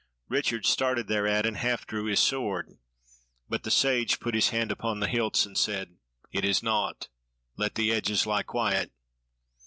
Richard started thereat and half drew his sword; but the Sage put his hand upon the hilts, and said: "It is naught, let the edges lie quiet."